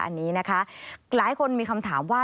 อันนี้นะคะหลายคนมีคำถามว่า